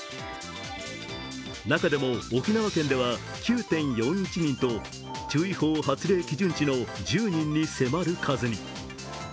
中でも沖縄県では９．４１人と注意報発令基準値の１０人に迫る数に。